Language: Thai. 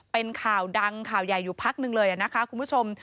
เป็นข่าวดังข่าวใหญ่อยู่พักหนึ่งเลยนะคะคุณผู้ชม